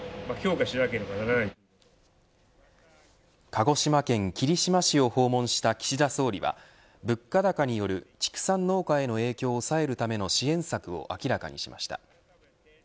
鹿児島県霧島市を訪問した岸田総理は物価高による畜産農家への影響を抑えるための支援策を明らかにしました。